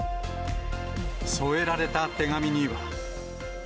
添えられた手紙には。